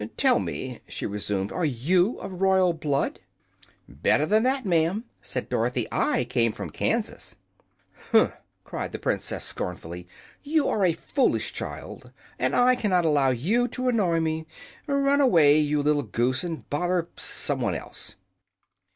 "Tell me," she resumed, "are you of royal blood?" "Better than that, ma'am," said Dorothy. "I came from Kansas." "Huh!" cried the Princess, scornfully. "You are a foolish child, and I cannot allow you to annoy me. Run away, you little goose, and bother some one else."